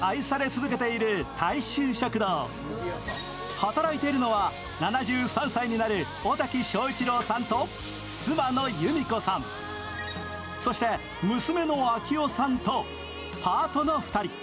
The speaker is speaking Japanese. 働いているのは、７３歳になる尾崎彰一郎と妻の由美子さん、そして娘の彰代さんとパートの２人。